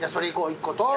１個と。